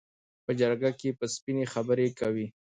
په جرګه کې به سپینې خبرې کوي.